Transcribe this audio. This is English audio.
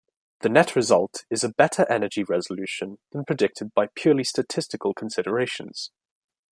The net result is a better energy resolution than predicted by purely statistical considerations.